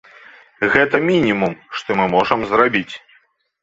Гэта мінімум, што мы можам зрабіць.